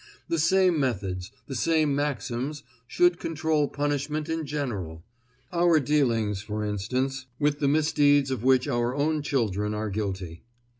The same methods, the same maxims should control punishment in general; our dealings, for instance, with the misdeeds of which our own children are guilty.